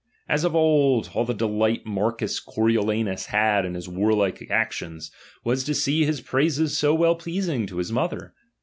As of old, all the delight Marcus Coriolanus had iu his warlike actions, was to see his praises so well pleasing to his mother.